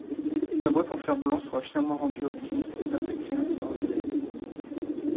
La boîte en fer-blanc sera finalement rendue à Hopkins et Patrick Cairns sera jugé.